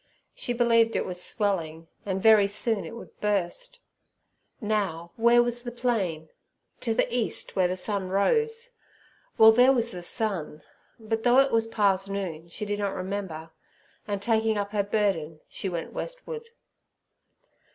She believed it was swelling, and very soon it would burst. Now, where was the plain? To the east, where the sun rose. Well, there was the sun; but though it was past noon, she did not remember, and, taking up her burden, she went westward.